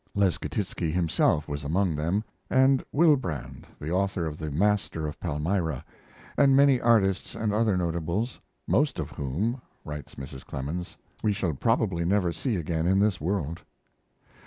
Leschetizky himself was among them, and Wilbrandt, the author of the Master of Palmyra, and many artists and other notables, "most of whom," writes Mrs. Clemens, "we shall probably never see again in this world."